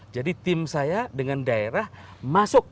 jadi tim saya dengan daerah masuk